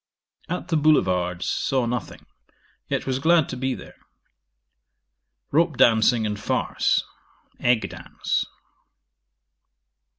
'At the Boulevards saw nothing, yet was glad to be there. Rope dancing and farce. Egg dance.